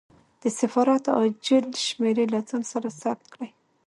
د سفارت عاجل شمېرې له ځان سره ثبت کړه.